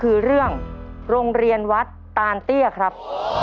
คือเรื่องโรงเรียนวัดตานเตี้ยครับ